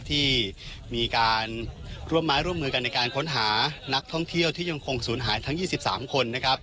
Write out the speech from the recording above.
ที่มีการร่วมไม้ร่วมมือกันในการค้นหานักท่องเที่ยวที่ยังคงศูนย์หายทั้ง๒๓คนนะครับ